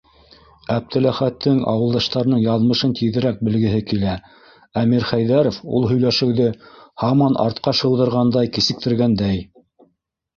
- Әптеләхәттең ауылдаштарының яҙмышын тиҙерәк белгеһе килә, ә Мирхәйҙәров ул һөйләшеүҙе һаман артҡа шыуҙырғандай, кисектергәндәй.